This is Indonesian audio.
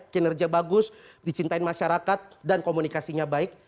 kinerja bagus dicintain masyarakat dan komunikasinya baik